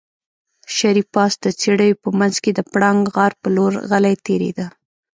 شريف پاس د څېړيو په منځ کې د پړانګ غار په لور غلی تېرېده.